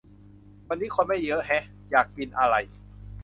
วันนี้คนไม่เยอะแฮะ อยากกินอะไร